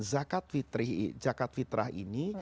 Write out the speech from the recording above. zakat fitrah ini